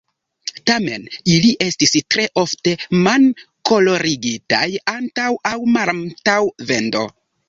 Tamen, ili estis tre ofte man-kolorigitaj antaŭ aŭ malantaŭ vendo.